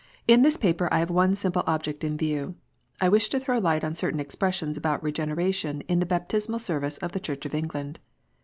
IN this paper I have one simple object in view. I wish to throw light on certain expressions about " Regeneration " in the Baptismal Service of the Church of England.